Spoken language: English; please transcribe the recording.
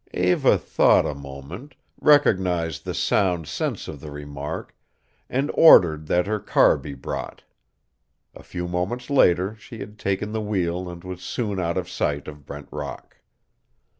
Eva thought a moment, recognized the sound sense of the remark, and ordered that her car be brought. A few moments later she had taken the wheel and was soon out of sight of Brent Rock.